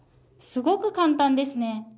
すごく簡単ですね。